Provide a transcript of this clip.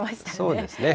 そうですね。